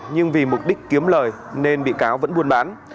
nhưng vì mục đích kiếm lời nên bị cáo vẫn buôn bán